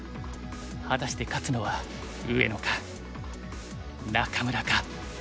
果たして勝つのは上野か仲邑か。